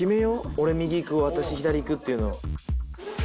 俺右行く私左行くっていうの。